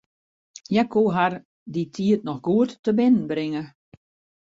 Hja koe har dy tiid noch goed tebinnenbringe.